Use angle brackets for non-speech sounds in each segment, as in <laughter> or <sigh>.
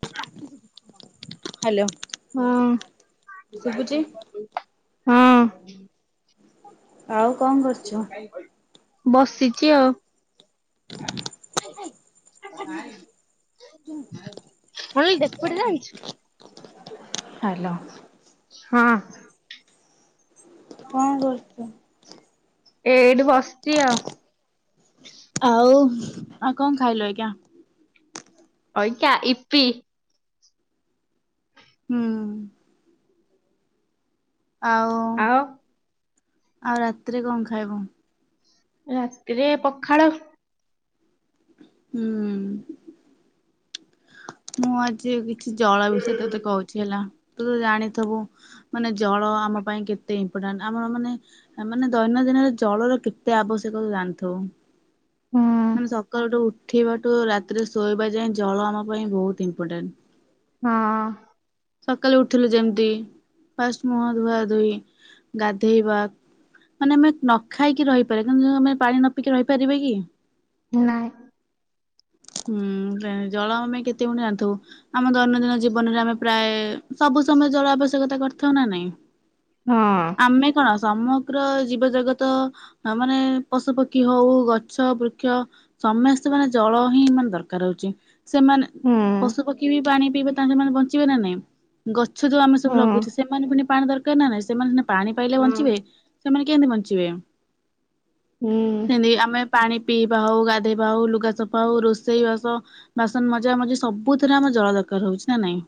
<inaudible> Hello. ହୁଁ। ଶୁଭୁଛି? ହୁଁ। ଆଉ କଣ କରୁଚ? ବସିଚି ଆଉ। ମୁ କହିଲି ଡେପୁଟି ଜାଇଛୁ। ହାଲ। ହଁ। କଣ କରୁଚୁ? ଏଇଠି ବସିଚି ଆଉ। ଆଉ ଆଉ କଣ ଖାଇଲ ଆଜ୍ଞା? ଅଇକା ଇପି। ହୁଁ। ଆଉ ଆଉ ରାତିରେ କଣ ଖାଇବୁ? ରାତିରେ ପଖାଳ। ହୁଁ। ମୁଁ ଆଜି କିଛି ଜଳ ବିଷୟରେ ତତେ କହୁଛି ହେଲା ତୁ ତ ଜାଣିଥିବୁ ମାନେ ଜଳ ଆମ ପାଇଁ କେତେ ଇମ୍ପୋର୍ଟାଣ୍ଟ ଆମର ମାନେ ମାନେ ଦୈନନ୍ଦିନରେ ଜଳର କେତେ ଆବଶ୍ୟକ ତୁ ଜାଣିଥିବୁ। ହୁଁ ମାନେ ସକାଳୁଠୁ ଉଠିବାଠୁ ରାତିରେ ଶୋଇବା ଯାଏ ଜଳ ଆମ ମୋ ପାଇଁ ବହୁତ ଇମ୍ପୋଟାଣ୍ଟ। ହଁ। ସକାଳୁ ଉଠିଲୁ ଯେମିତି ଫାଷ୍ଟ ମୁହଁ ଧୁଆ ଧୁଇ ଗାଧେଇବା ମାନେ ଆମେ ନ ଖାଇକି ରହିପାରିବା କିନ୍ତୁ ଆମେ ପାଣି ନ ପିଇକି ରହିପାରିବା କି? ନାଇଁ। ହୁଁ ଜଳ ଆମପାଇଁ କେତେ ଗୁଣେ ଜାଣିଥିବୁ ଆମ ଦୈନନ୍ଦିନ ଜୀବନରେ ଆମେ ପ୍ରାୟ ସବୁ ସମୟ ଜଳ ଆବଶ୍ୟକତା କରି ଥାଉ ନାଁ ନାଇଁ। ହଁ। ଆମେ କଣ ସମଗ୍ର ଜୀବଜଗତ ଆମେ ମାନେ ପଶୁପକ୍ଷୀ ହଉ, ଗଛ, ବୃକ୍ଷ ସମସ୍ତେ ମାନେ ଜଳ ହିଁ ମାନେ ଦରକାର ହଉଛି ସେମାନେ ହୁଁ ପଶୁ ପକ୍ଷୀ ବି ପାଣି ପିବେ ତା ସେମାନେେ ବଞ୍ଚିବେ ନା ନାଇଁ ଗଛ ଯୋଉ ଆମେ ସବୁ ଲଗୁଛେ ସେ ସେ ପୁଣି ପାଣି ଦରକାର ନା ନାଇଁ ସେମାନେ ସେ ପାଣି ପାଇଲେ ହୁଁ ବଞ୍ଚିବେ। ସେମାନେ କେମିତି ବଞ୍ଚିବେ? ହୁଁ। ସେମତି ଆମେ ପାଣି ପିଇବା ହଉ ଗାଧେଇବା ହଉ ଲୁଗା ସଫା ହଉ ରୋଷେଇ ବାସ ବାସନ ମଜା ଜା ମଜି ସବୁ ଥରେ ଆମର ଜଳ ଦରକାର ହଉଛି ନା ନାଇଁ।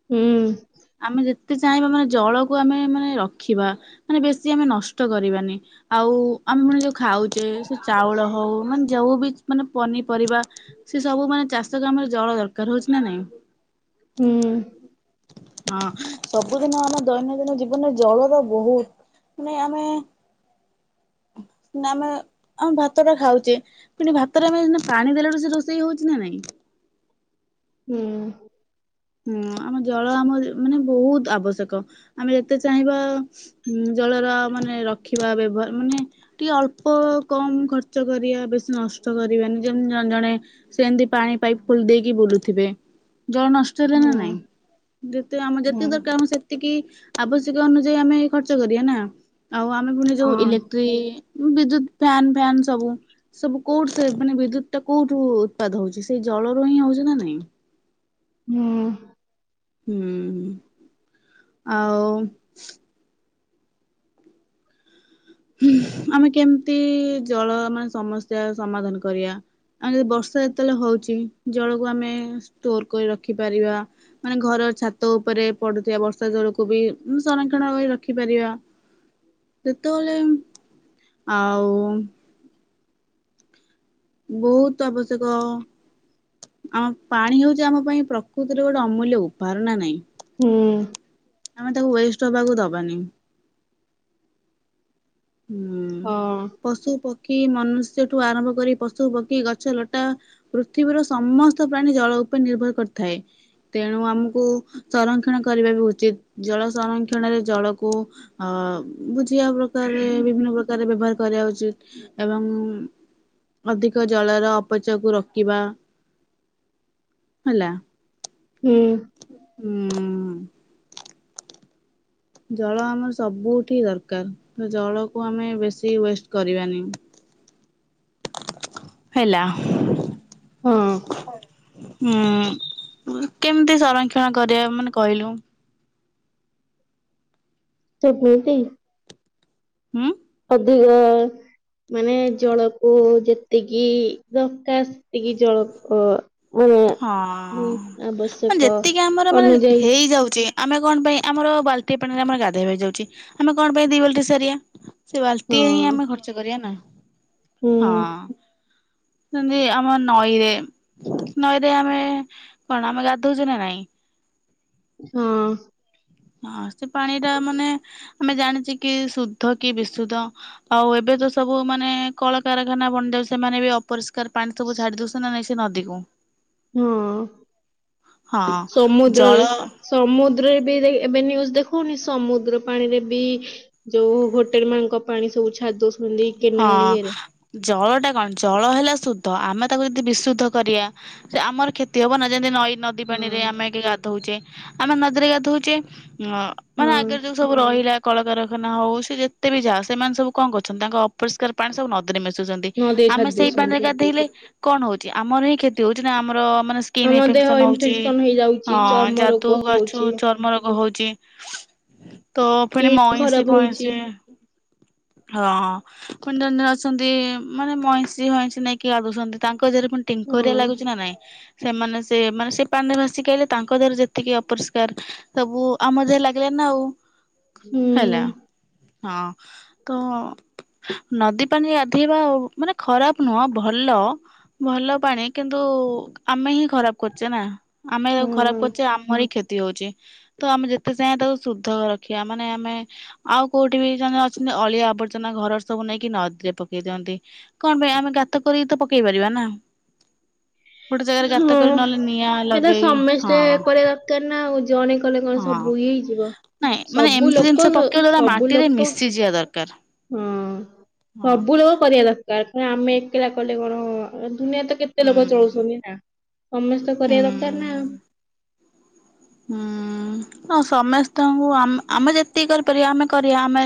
ହୁଁ। ଆମେ ଯେତେ ଚାହିଁବା ମାନେ ଜଳକୁ ଆମେ ମାନେ ରଖିବା। ମାନେ ବେଶୀ ଆମେ ନଷ୍ଟ କରିବାନି ଆଉ ଆମୋଫୁଣି ଯୋଉ ଖାଉ ସେ ଚାଉଳ ହଉ ମାନେ ଯଉ ବି ମାନେ ପନିପରିବା ସେ ସବୁ ମାନେ ଚାଶ୍ ଶ ଜମିରେ ଜଳ ଦରକାର ହଉଛି ନା ନାଇଁ‌। ହୁଁ ହଁ ସବୁଦିନ ଆମେ ଦୈନନ୍ଦିନ ଜୀବନରେ ଜଳ ତ ବହୁତ ନାଇ ଆମେ ନା ଆମେ ଆଉ ଭାତ ଟା ଖାଉଛେ କିନ୍ତୁ ଭାତଟା ଆମେ ନା ପାଣି ଦେଲାଳୁ ସେ ରୋଷେଇ ହଉଛି ନା ନାଇଁ। ହୁଁ। ହୁଁ ଆମ ଜଳ ଆମ ମାନେ ବହୁତ ଆବଶ୍ୟକ ଆମେ ଯେତେ ଚାହିଁବା ହଁ ଜଳର ମାନେ ରଖିବା ବ୍ୟବହାର ମାନେ ଟିକେ ଅଳ୍ପ କମ ଖର୍ଚ୍ଚ କରିବା ବେଶୀ ନଷ୍ଟ କରିବେନି ଯେମତି ଜଣେ ଜଣେ ସେମିତି ପାଣି ପାଇପ୍ ଖୋଲି ଦେଇକି ବୁଲୁଥିବେ। ଜଳ ନଷ୍ ଚ ଲା ନା ହୁଁ ନାଇଁ ଯେତେ ଆମ ହୁଁ ଯେତିକି ଦରକାର ଆମ ସେ ଏତିକି ଆବଶ୍ୟକ ଅନୁଯାୟୀ ଆମେ ଖର୍ଚ୍ଚ କରିବା ନା ଆଉ ଆମେ ପୁଣି ହୁଁ ଯୋଉ ହଁ ଇଲେକ୍ଟ୍ରି ବିଦ୍ୟୁତ ଫ୍ୟାନ୍ ଫ୍ୟନ୍ ସବୁ ସବୁ କୋଉଠି ସେ ମାନେ ବିଦ୍ୟୁତ ଟା କୋଉଠୁ ଉତ୍ପାଦ ହଉଛି ସେଇ ଜଳ ରୁ ହିଁ ହଉଛି ନା ନାଇଁ। ହୁଁ। ହୁଁ ଆଉ ହଁ ଆମେ କେମିତି ଜଳ ମାନେ ସମସ୍ୟା ସମାଧାନ କରିବା? ଆମେ ଯି ବର୍ଷା ଯେତେବେଳେ ହଉଛି ଜଳକୁ ଆମେ ଷ୍ଟୋର କରି ରଖି ପାରିବା। ମାନେ ଘର ଛାତ ଉପରେ ପଡୁଥିବା ବର୍ଷା ଜଳକୁ ବି ସଂରକ୍ଷଣ ର ରଖିପାରିବା। ସେତେବେଳେ ଆଉ ବୋହୁତ ଆବଶ୍ୟକ ଆମ ପାଣି ହଉଛି ଆମ ପାଇଁ ପ୍ରକୃତିରେ ଗୋଟେ ଅମୂଲ୍ୟ ଉପହାର ନା ନାହିଁ। ହୁଁ। ଆମେ ତାକୁ ୱେଷ୍ଟ ହବାକୁ ଦବାନି। ହୁଁ ହଁ ପଶୁ ପକ୍ଷୀ ମନୁଷ୍ୟ ଠୁ ଆରମ୍ଭ କରି ପଶୁ ପକ୍ଷୀ ଗଛ ଲଟା ପୃଥିବୀର ସମସ୍ତ ପ୍ରାଣୀ ଜଳ ଉପରେ ନିର୍ଭର କରିଥାଏ। ତେଣୁ ଆମକୁ ସଂରକ୍ଷଣ କରିବା ବି ଉଚିତ। ଜଳ ସଂରକ୍ଷଣରେ ଜଳକୁ ଅ ବୁଝିବା ପ୍ରକାରରେ ବିଭିନ୍ନ ପ୍ରକାର ବ୍ୟବହାର କରିବା ଉଚିତ ଏବଂ ଅଧିକ ଜଳର ଅପଚୟକୁ ରୋକିବା। ହେଲା। ହୁଁ। ହୁଁ। ଜଳ ଆମର ସବୁଠି ଦରକାର। ତ ଜଳକୁ ଆମେ ବେଶୀ ୱେଷ୍ଟ କରିବାନି। ହେଲା ହୁଁ ହଁ କେମିତି ସଂରକ୍ଷଣ କରିବା ମାନେ କହିଲୁ। ତୁ ମିତି ହୁଁ ଅଧିକ ମାନେ ଜଳକୁ ଯେତିକି ଦରକାର ସେତିକି ଜଳ ଅ ମାନେ ହଁ ହୁଁ ମ ଆବଶ୍ୟକ ଯେତିକି ଆମର ମାନେ ଅନୁଯାୟୀ ହେଇଯାଉଛି। ଆମେ କଣ ପାଇଁ ଆମର ବାଲ୍ଟିଏ ପାଣିରେ ଆମର ଗାଧୋଇବା ହେଇଯାଉଛି ଆମେ କଣ ପାଇଁ ଦି ବାଲଟି ସାରିବା। ସେ ହଁ ବାଲଟିଏ ହିଁ ଆମେ ଖର୍ଚ୍ଚ କରିବା ନା ହୁଁ ହଁ। ସେମତି ଆମ ନଈରେ ନଈରେ ଆମେ କଣ ଆମେ ଗାଧିଉଛୁ ନା ନାଇଁ। ହଁ। ହଁ ସେ ପାଣିଟା ମାନେ ଆମେ ଜାଣିଛେ କି ଶୁଦ୍ଧ କି ବିଶୁଦ୍ଧ। ଆଉ ଏବେ ତ ସବୁ ମାନେ କଳକାରଖାନା ବନି ଯାଉଛି ସେମାନେ ବି ଅପରିଷ୍କାର ପାଣି ସବୁ ଛାଡି ଦଉଛ ନା ନାଇ ସେ ନଦୀ କୁ ହଁ ହଁ ସମୁଦ୍ରରେ। ଜଳ ସମୁଦ୍ରରେ ବି ଏବେ ନ୍ୟୁଜ ଦେଖଉନି ସମୁଦ୍ର ପାଣିରେ ବି ଯୋଉ ହୋଟେଲ ମାନଙ୍କ ପାଣି ସବୁ ଛାଡି ଦେଉଛନ୍ତି। ହଁ ଜଳ ଟା କଣ ଜଳ ହେଲା ଶୁଦ୍ଧ ଆମେ ତାକୁ ଯଦି ବିଶୁଦ୍ଧ କରିବା ସେ ଆମର କ୍ଷତି ହବ ନା ଯେମିତି ନଈ ନ- ନଦୀ ପାଣିରେ ହଁ ଆମେ ଏଇଠି ଗାଧୋଉଛେ ଆମେ ନଦୀରେ ଗାଧୋଉଛେ ମାନେ ହଁ ଆଗରେ ଯୋଉ ସବୁ ରହିଲା କଳକାରଖାନା ହଉ ସେ ଯେତେ ବି ଯା ସେମାନେ ସବୁ କଣ କରୁଛନ୍ତି ତାଙ୍କ ଅପରିଷ୍କାର ପାଣି ସବୁ ନ ଦିରେ ମିଶୁଛନ୍ତି ନଦୀରେ ଆମେ ଛାଡି ସେଇ ପାଣିରେ ଦଉଛନ୍ତି ଗାଧେଇଲେ କଣ ହଉଛି ଆମର ହିଁ କ୍ଷତି ହଉଛି ନା ଆମର ମାନେ ସ୍କିନ୍ ଆମ ଦେହ ଇନଫେକ୍ସନ ହଉଛି ଇନଫେକ୍ସନ ହେଇଯାଉଛି ଅ ଚର୍ମ ରୋଗ ଯାଦୁ କାଛୁ ହଉଛି ଚର୍ମ ରୋଗ ହଉଛି। ତ ପୁଣି ସ୍କିନ୍ ମଇଁଶି ଖରାପ ଫଇଁସି ହଉଛି ହଁ। ଜଣେ ଜଣେ ଅଛନ୍ତି ମାନେ ମଇଁଷି ହଇଁଷି ନେଇକି ଗା ଧୋଉଛନ୍ତି। ତାଙ୍କ ଦେହରେ ପୁଣି ଟିଙ୍କ ହୁଁ ହେରିକା ଲାଗୁଛି ନା ନାଇଁ। ସେମାନେ ସେ ମାନେ ସେ ପାଣିରେ ଭାସି ଗାଧେଇଲେ ତାଙ୍କ ଦେହରେ ଯେତିକି ଅପରିଷ୍କାର ସବୁ ଆମ ଦେହେ ଲାଗିଲା ନା ଆଉ। ହୁଁ। ହେଲା ହଁ ତ ନଦୀ ପାଣି ଗାଧୋଇବା ମାନେ ଖରାପ ନୁହଁ ଭଲ। ଭଲ ପାଣି କିନ୍ତୁ ଆମେ ହିଁ ଖରାପ କରୁଛେ ନା ଆମେ ହୁଁ ଖରାପ କରୁଛେ ଆମରି କ୍ଷତି ହଉଛି ତ ଆମେ ଯେତେ ଚାହିଁବା ତାକୁ ଶୁଦ୍ଧ ରଖିବା ମାନେ ଆମେ ଆଉ କୋଉଠି ବି ଜେ ଅଛନ୍ତି ଅଳିଆ ଆବରଜ ଘରର ସବୁ ନେଇକି ନଦୀରେ ପକେଇ ଦିଅନ୍ତି କଣ ପାଇଁ ଆମେ ଗାତ କରିକି ତ ପକେଇ ପାରିବା ନା। ଗୋଟେ ଜାଗାରେ ଗାତ ହଁ। କରି ନହେଲେ ନିଆଁ ଏଟା ଲଗେଇ ସମସ୍ତେ ହଁ। କରିବା ନା ଆଉ ଜଣେ କଲେ କଣ ହଁ ସବୁ ଇଏ ହେଇଯିବ ନାଇଁ ମାନେ ସବୁ ଲୋକ ସବୁ ଲୋକ ବୁଝିବା ଦରକାର। ହଁ ହଁ ସବୁ ଲୋକ କରିବା ଦରକାର କ ଆମେ ଏକଲା କଲେ କଣ ଦୁନିଆ ତ କେତେ ଲୋକ ହୁଁ ଚଳୁଛନ୍ତି ନା ସମସ୍ତେ କରିବା ଦରକାର ନା। ହୁଁ ହୁଁ ତ ସମସ୍ତଙ୍କୁ ଆମେ ଯେତିକି କରିପାରିବା ଆମେ କରିବା ଆମେ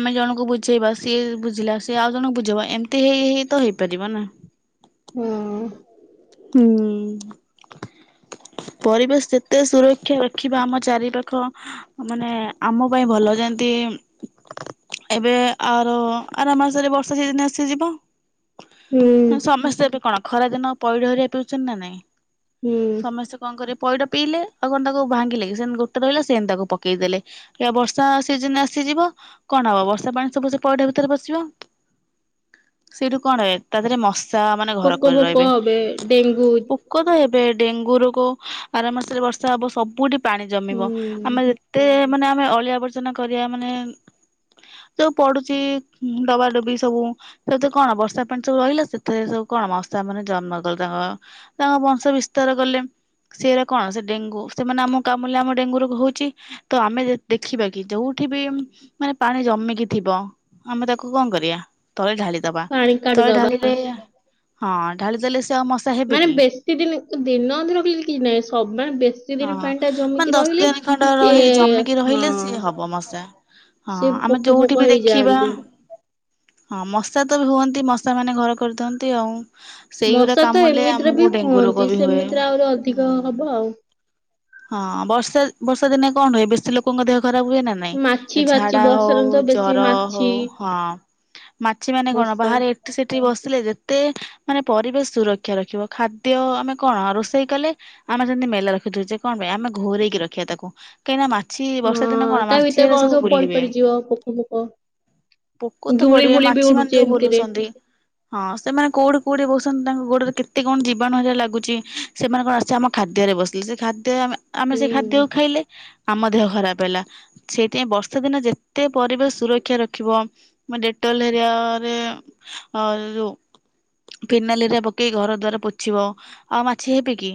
ଆମେ ଜଣଙ୍କୁ ବୁଝେଇବା ସିଏ ବୁଝିଲା ସିଏ ଆଉ ଜଣଙ୍କୁ ବୁଝେଇବା ଏମିତି ହେଇ ହେ ତ ହେଇପାରିବ ନା। ହଁ। ହୁଁ। ପରିବେଶ ଯେତେ ସୁରକ୍ଷା ରଖିବା ଆମ ଚାରିପାଖ ମାନେ ଆମ ପାଇଁ ଭଲ ଯେମତି ଏବେ ଆର ଆର ମାସରେ ବର୍ଷା ସିଜୀନ ଆସି ଯିବ। ହୁଁ। ସମସ୍ତେ ଏବେ କଣ ଖରା ଦିନ ପଇଡ ହରିକା ପିଉଛନ୍ତି ନା ନାଇଁ ହୁଁ ସମସ୍ତେ କଣ କରିବା ପଇଡ଼ ପିଇଲେ ଆଉ କଣ ତାକୁ ଭାଙ୍ଗିଲେ କି ସେମତି ଗୋଟେ ରହିଲେ ସେମତି ତାକୁ ପକେଇ ଦେଲେ। ଏ ବର୍ଷା ସିଜିନ ଆସିଯିବ କଣ ହବ ବର୍ଷା ପାଣି ସବୁ ସେ ପଇଡ଼ ଭିତରେ ପସିବ। ସେଇଠୁ କଣ ହୁଏ ତା ଦେହରେ ମଶା ମାନେ ଘର ପୋକ କରି ଫୋକ ରହିବେ। ହେବେ ଡେଙ୍ଗୁ ପୋକ ତ ହେବେ ଡେଙ୍ଗୁ ରୋଗ ଆର ମାସରେ ବର୍ଷା ହବ ସବୁଠି ପାଣି ହୁଁ ଜମିବ ଆମେ ଯେତେ ମାନେ ଆମେ ଅଳିଆ ଆବର୍ଜନା କରିବା ମାନେ ଯୋଉ ପଡୁଛି ଡବାଡବି ସବୁ ସେତ କଣ ବର୍ଷା ପାଣି ସବୁ ରହିଲା ସେଥିରେ ସବୁ କଣ ମା ସେମାନେ ଜନ୍ମ କଲେ ତାଙ୍କ ତାଙ୍କ ବଂଶ ବିସ୍ତାର କଲେ। ସିଏ ଏରା କଣ। ସେ ଡେଙ୍ଗୁ ସେମାନେ ଆମକୁ କାମୁଡିଲେ ଆମକୁ ଡେଙ୍ଗୁ ରୋଗ ହୋଉଛି। ତ ଆମେ ଦେ ଦେଖିବା କି ଯୋଉଠି ବି ମାନେ ପାଣି ଜମିକି ଥିବ ଆମେ ତାକୁ କଣ କରିବା ତଳେ ଢାଳି ଦବା ପାଣି ତଳେ କାଢିଦବା। ଢାଳିଲେ ହଁ ଢାଳି ଦେଲେ ସେ ଆଉ ମ ମାନେ ବେଶୀ ଦିନ ଦିନ ଅଧେ ରଖିଲେ କିଛି ନାହିଁ। ସବମାନେ ବେଶୀ ଦିନ ପାଣି ଟା ଜମିକି ରହିଲେ ଖଣ୍ଡ ରହିଲେ ସିଏ ଜମିକି ହଁ ରହିଲେ ସିଏ ହବ ମଶା। ହଁ ସେ ଆମେ ପୋକ ଫୋକ ଯୋଉଠି ବି ଦେଖିବା ହେଇଯାଆନ୍ତି। ହଁ ମଶା ତ ବି ହୁଅନ୍ତି ମଶା ମାନେ ଘର କରିଥାଅନ୍ତି ଆଉ। ସେଇଗୁରା ମଶା ତ କାମୁଡ଼ିଲେ ଏମିତିରେ ବି ଆମକୁ ଡେଙ୍ଗୁ ହୁଅନ୍ତି ରୋଗ ବି ହୁଏ ସେମିତିରେ ଆହୁରି ଅଧିକ ହୁଁ। ହବ ଆଉ। ହଁ ବର୍ଷା ବର୍ଷା ଦିନେ କଣ ହୁଏ ବେଶୀ ଲୋକଙ୍କ ଦେହ ଖରାପ ହୁଏ ନା ନାଇଁ ମାଛି ଫାଛି ଝାଡା ବର୍ଷାରେ ହୋଉ ତ ବେଶୀ ଜର ମାଛି ହୋଉ ହଁ ମାଛି ମାନେ କଣ ମଶା ବାହାରେ ଏଠି ସେଠୀ ବସିଲେ ଯେତେ ମାନେ ପରିବେଶ ସୁରକ୍ଷା ରଖିବ ଖାଦ୍ୟ ଆମେ କଣ ରୋଷେଇ କଲେ ଆମେ ସେମତି ମେଲା ରଖିଦୋଉଛେ କଣ ପାଇଁ ଆମେ ଘୋରେଇକି ରଖିବା ତାକୁ କାହିଁକିନା ମାଛ ଛି ବର୍ଷା ଦିନେ କଣ ହଁ ତା ଭିତରେ ମାଛିରା କଣ ସବୁ ପଡି ବୁଲିବେ। ପଡିଯିବ ପୋକ ଫୋକ। ପୋକ ତ ଧୂଳି ପଡିବେ ଫୁଳି ବି ମାଛି ମାନେ ଉଡୁଛି ଯୋଉ ଏମିତିରେ ବୁଲୁଛନ୍ତି ହଁ ସେମାନେ କୋଉଠି କୋଉଠେ ବସନ୍ତି ତାଙ୍କ ଗୋଡରେ କେତେ କଣ ଜୀବାଣୁ ହେରିକା ଲାଗୁଛି। ସେମାନେ କଣ ଆସିକି ଆମ ଖାଦ୍ୟରେ ବସିଲେ ସେ ଖାଦ୍ୟରେ ଆମେ ଆମେ ହୁଁ ସେ ଖାଦ୍ୟକୁ ଖାଇଲେ ଆମ ଦେହ ଖରାପ ହେଲା। ସେଇଥିାଇଁ ବର୍ଷା ଦିନ ଯେତେ ପରିବେଶ ସୁରକ୍ଷା ରଖିବ ମ ଡେଟଲହେଫ ଫରିଆରେ ଯୋଉ ଫିନାଇଲି ହେରିକା ଘର ଦ୍ଵାର ପୋଛିବ ଆଉ ମାଛି ହେବି କି?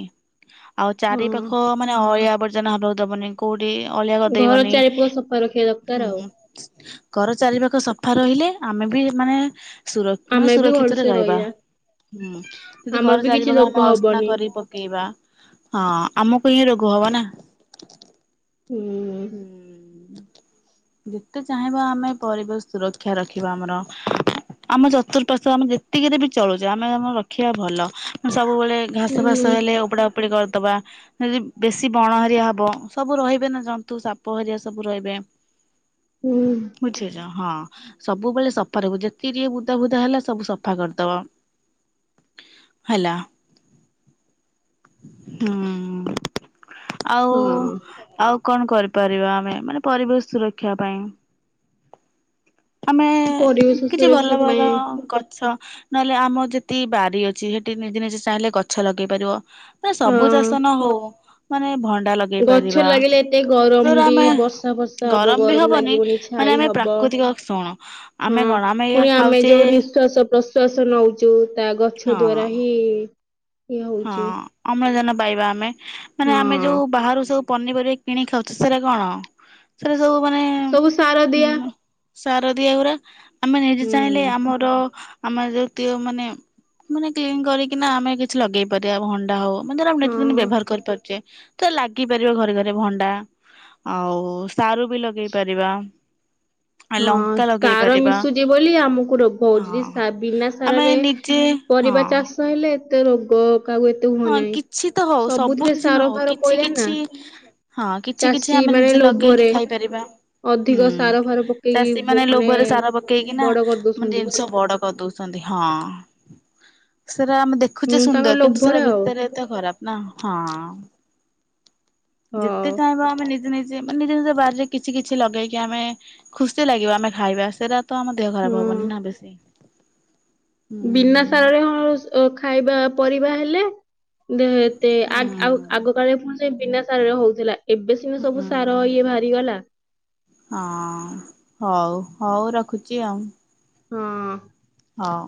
ଆଉ ଚାରି ପାଖ ହଁ ମାନେ ଅଳିଆ ଆବର୍ଜନା ହବାକୁ ଦବନି। କୋଉଠି ଅଳିଆ ଘର କରିଦେଇବନି ଚାରିପଟ ସଫା ରଖିବା ଦରକାର ଆଉ। ହୁଁ ଘର ଚାରିପାଖ ସଫା ରହିଲେ ଆମେ ବି ମାନେ ମାନେ ଆମେ ବି ସୁରକ୍ଷିତରେ ଭଲସେ ରହିବା। ହୁଁ ଯଦି ଆମର ଘର ବି ଚାରି କିଛି ପାଖ ରୋଗ ଆମେ ଅସ୍ନା ହବନି କରି ପକେଇବା ହଁ ଆମକୁ ହିଁ ରୋଗ ହବନା। ହୁଁ। ହୁଁ। ଯେତେ ଚାହିଁବା ଆମେ ପରିବେଶ ସୁରକ୍ଷା ରଖିବା ଆମର ଆମ ଚତୁଃପାର୍ଶ୍ଵ ଆମେ ଯେତିକିରେ ବି ଚଳୁଛେ ଆମେ ଆମ ରଖିବା ଭଲ। ସବୁବେଳେ ଘାସ ହୁଁ ଫାସ ହେଲେ ଉପଡ଼ା ପଡି କରିଦବା। ଯଦି ବେଶୀ ବଣ ହେରିଆ ହବ ସବୁ ରହିବେ ନା ଜ ତୁ ସାପ ହେରିଆ ସବୁ ରହିବେ। ହୁଁ। ବୁଝିଛ ହଁ। ସବୁବେଳେ ସଫା ରହିବୁ ଯେତିକି ଟିକେ ବୁଦା ବୁଦା ହେଲା ସବୁ ସଫା କରିଦବ। ହେଲା। ହୁଁ ଆଉ ହଁ। ଆଉ କଣ କରିପାରିବା ଆମେ ମାନେ ପରିବେଶ ସୁରକ୍ଷା ପାଇଁ। ଆମେ ପରିବେଶ କିଛି ଭଲ ସୁରକ୍ଷା ପାଇଁ ଭଲ ଗଛ ନହେଲେ ଆମ ଯେତିକି ବାରି ଅଛି ସେଠି ନିଜେ ନିଜେ ଚାହିଁଲେ ଗଛ ଲଗେଇ ପାରିବ। ନା ସବୁ ହଁ ଚାଷ ନ ହୋଉ, ମାନେ ଭଣ୍ଡା ଲଗେଇ ଗଛ ପାରିବା ଲାଗିଲେ ଏତେ ଗରମ ଯୋଉରା ବି ଆମେ ବର୍ଷା ବର୍ଷା ହବ ବି ଗରମ ହବନି ଲାଗିବନି ମାନେ ଛାଇ ଆମେ ହବ। ପ୍ରାକୃତିକ ଶୁଣ ହଁ ଆମେ କଣ ଏଇଆ ଫୁଣି ଆମେ ଖାଉଛେ ଯୋଉ ନିଃଶ୍ଵାସ ପ୍ରଶ୍ଵାସ ନଉଛୁ ତା ଗଛ ହଁ ଦ୍ଵାରା ହିଁ ଇଏ ହଁ ହଉଛି ଅମ୍ଳଜାନ ପାଇବା ଆମେ। ମାନେ ଆମେ ହଁ ଯୋଉ ବାହାରୁ ସବୁ ପନିପରିବା କିଣିକି ଖାଉଚୁ ସେରା କଣ? ସେରା ସବୁ ମାନେ ସବୁ ସାର ଉ ଦିଆ ସାରଦିଆ ଗୁରା, ଆମେ ନିଜେ ହୁଁ ଚାହିଁଲେ ଆମର ଆମର ଯେତିକ ମାନେ ମାନେ କ୍ଲିନ୍ କରିକିନା ଆମେ କିଛି ଲଗେଇ ପାରିବା ଭଣ୍ଡା ହଉ ମେ ଧର ନୀତି ଦିନି ହଁ। ବ୍ୟବହାର କରିପାରୁଛେ, ତ ଲାଗିପାରିବ ଘରେ ଘରେ, ଭଣ୍ଡା ଆଉ ସାରୁ ବି ଲଗେଇ ପାରିବା। ଆ ହଁ ଲଙ୍କା ଲଗେଇ ସାର ପାରିବା ମିଶୁଛି ବୋଲି ଆମକୁ ରୋଗ ହଁ ହୋଉଛି। ବିନା ଆମେ ସାରରେ ନିଜେ ହଁ। ପରିବା ଚାଷ ହେଲେ ଏତେ ରୋଗ କାହାକୁ ଏ ତେ ହୁଅ ହଁ ନାହିଁ। କିଛି ତ ହଉ ସବୁ ସବୁଥିରେ କିଛି ନ ସାର ହଉ ଫାର କିଛି ପଇଲା ନା କିଛି ହଁ କିଛି କିଛି ଚାଷୀ ଆମେ ମାନେ ନିଜେ ଲଗେଇକି ଲୋଭରେ, ଖାଇପାରିବା ଅଧିକ ହୁଁ। ସାର ଫାର ପ ଚାଷୀ ମାନେ ଲୋଭରେ ସାର ପକେଇକି ନା ମାନେ କରିଦଉଛନ୍ତି ଜିନି ସବୁ ବଡ କରିଦଉଛନ୍ତି ହଁ। ସେରା ଆମେ ଦେଖ ହୁଁ ତାଙ୍କ ଲୋଭ ତା ଭିତରେ ତ ଖରାପ ନା? ହଁ ଯେତେ ହଁ। ଚାହିଁବ ଆମେ ନିଜେ ନିଜ ଯେ ମାନେ ନିଜ ନିଜ ବାରିରେ କିଛି କିଛି ଲଗେଇକି ଆମେ ଖୁସି ଲାଗିବ ଆମେ ଖାଇବା ସେରା ତ ଆମ ଦେହ ଖରାପ ହୁଁ ହବନିନା ବେଶୀ। ହୁଁ ବିନା ସାରରେ ହ ଖାଇବା ପରିବା ହେଲେ ଦେହ ଏତେ ହୁଁ ଆଉ ଆଗ କାଳେରେ ଫୁଣି ସେ ବିନା ସାରରେ ହଉଥିଲା। ଏବେ ସିନା ହୁଁ ସବୁ ସାର ଇଏ ବାହାରିଗଲା। ହଁ ହୋଉ ହୋଉ ରଖୁଛି ଆଉ। ହଁ। ହଁ।